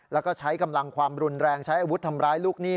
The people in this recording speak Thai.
แล้วก็ใช้กำลังความรุนแรงใช้อาวุธทำร้ายลูกหนี้